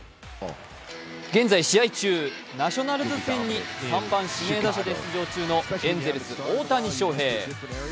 現在、試合中、ナショナルズ戦に３番・指名打者で出場中のエンゼルス・大谷翔平。